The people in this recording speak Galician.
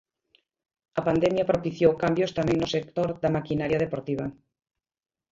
A pandemia propiciou cambios tamén no sector da maquinaria deportiva.